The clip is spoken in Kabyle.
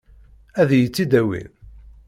Ad iyi-tt-id-awin?